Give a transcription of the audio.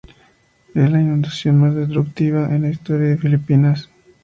Es la inundación más destructiva en la historia de Filipinas.